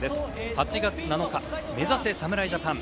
８月７日、目指せ侍ジャパン！